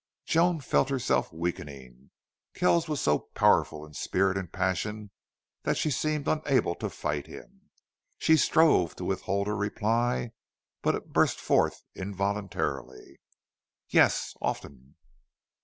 Joan felt herself weakening. Kells was so powerful in spirit and passion that she seemed unable to fight him. She strove to withhold her reply, but it burst forth, involuntarily. "Yes often."